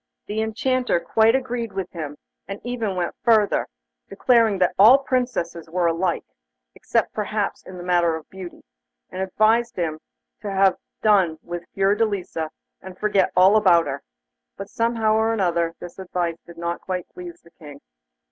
The Enchanter quite agreed with him, and even went further, declaring that all Princesses were alike, except perhaps in the matter of beauty, and advised him to have done with Fiordelisa, and forget all about her. But, somehow or other, this advice did not quite please the King.